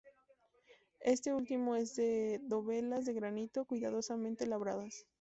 Este último es de dovelas de granito cuidadosamente labradas.